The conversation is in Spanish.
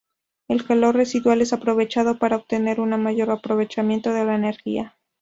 El calor residual es aprovechado para obtener un mayor aprovechamiento de la energía.